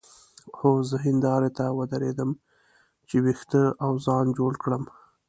هو زه هندارې ته ودرېدم چې وېښته او ځان جوړ کړم.